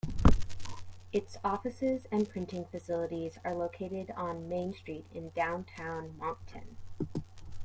Its offices and printing facilities are located on Main Street in Downtown Moncton.